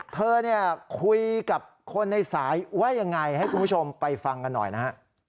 เธอเนี่ยคุยกับคนในสายว่ายังไงให้คุณผู้ชมไปฟังกันหน่อยนะฮะ